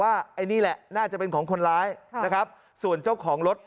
ไอ้นี่แหละน่าจะเป็นของคนร้ายนะครับส่วนเจ้าของรถ